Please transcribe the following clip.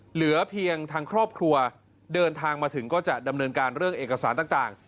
เหลือเพียงทางครอบครัวเดินทางมาถึงก็จะดำเนินการเรื่องเอกสารต่าง